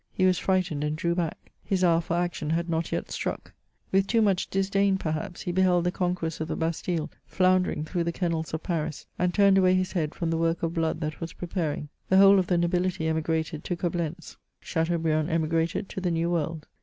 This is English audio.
He was frightened, and drew back. His hour for action had not yet struck. With too much disdain, perhaps, he beheld the conquerors of the Bastille floundering through the kennels of Paris, and turned away his head from the work of blood that was preparing. The whole of the nobility emigrated to Coblentz ; Chateaubriand emigrated to the New World.